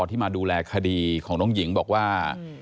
ที่มาดูแลคดีของน้องหญิงบอกว่า